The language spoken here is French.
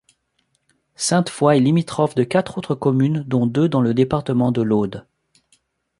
Sainte-Foi est limitrophe de quatre autres communes dont deux dans le département de l'Aude.